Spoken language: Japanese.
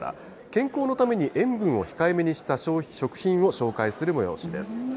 健康のために塩分を控えめにした食品を紹介する催しです。